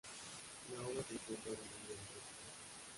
La obra se encuentra dividida en tres partes.